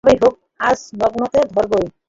যেভাবেই হোক, আজ নগ্নগাত্রকে ধরবই।